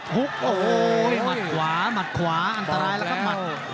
หุ๊โอมัตรขวามัตรขวาอันตรายแล้วครับ